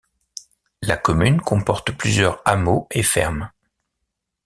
La commune comporte plusieurs hameaux et fermes.